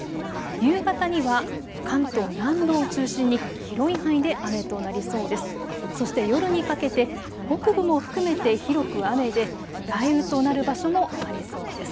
夕方には関東南部を中心に広い範囲で雨となりそうです。